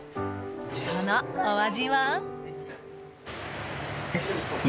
そのお味は。